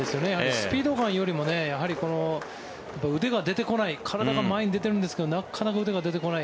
スピードガンよりもこの腕が出てない体が前に出てるんですけどなかなか腕が出てこない